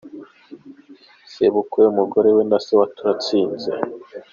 Sebukwe, umugore, na Se wa Turatsinze